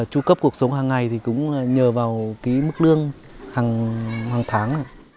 tru cấp cuộc sống hàng ngày thì cũng nhờ vào cái mức lương hàng tháng